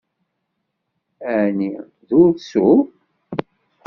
Ɛni d ursu?